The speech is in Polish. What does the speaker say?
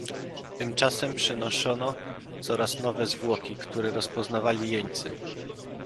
"Tymczasem przynoszono coraz nowe zwłoki, które rozpoznawali jeńcy."